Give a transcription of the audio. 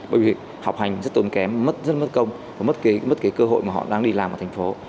bởi vì học hành rất tốn kém mất rất mất công và mất cái cơ hội mà họ đang đi làm ở thành phố